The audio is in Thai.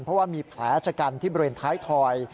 เพราะว่ามีแผลจกรรมที่เบรนท้ายทอย